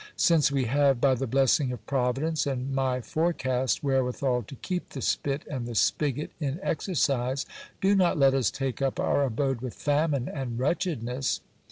Since we have, by the blessing of Providence and my forecast, wherewithal to keep the spit and the spigot in exercise, do not let us take up our abode with famine and wretchedness.